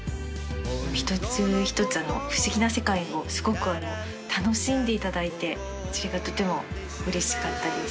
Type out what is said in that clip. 一つ一つ不思議な世界をすごく楽しんでいただいてそれがとてもうれしかったです。